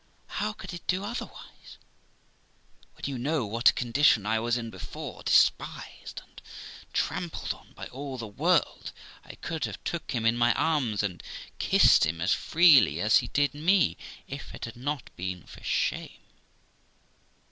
How could it be otherwise, when you know what a condition I was in before, despised and trampled on by all the world? I could have took him in my arms and kissed him as freely as he did me, if it had not been for shame.'